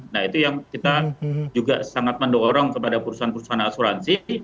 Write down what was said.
nah itu yang kita juga sangat mendorong kepada perusahaan perusahaan asuransi